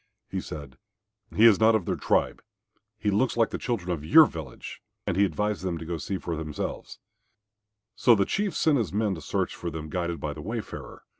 He said, "He is not of their tribe. He looks like the children of your village," and he advised them to go to see him for themselves. So the Chief sent his men to search for them guided by the wayfarer.